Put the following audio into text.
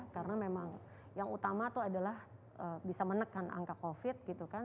karena memang yang utama itu adalah bisa menekan angka covid gitu kan